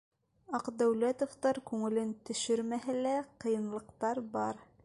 Аҡдәүләтовтар күңелен төшөрмәһә лә, ҡыйынлыҡтар бар.